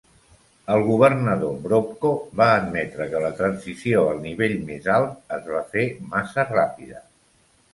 El governador Brovko va admetre que la transició al nivell més alt es va fer massa ràpida.